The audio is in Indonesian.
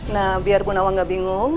nah biar bu nawang gak bingung